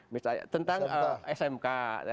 misalnya tentang smk